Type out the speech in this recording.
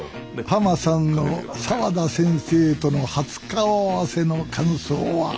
はまさんの沢田先生との初顔合わせの感想は？